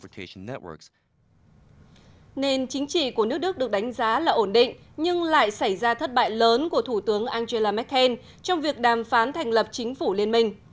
điều này không chỉ của nước đức được đánh giá là ổn định nhưng lại xảy ra thất bại lớn của thủ tướng angela merkel trong việc đàm phán thành lập chính phủ liên minh